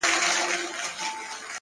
• د هغه هر وخت د ښکلا خبر په لپه کي دي ـ